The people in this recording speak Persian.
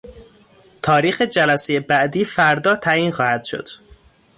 تاریخ جلسهی بعدی فردا تعیین خواهد شد.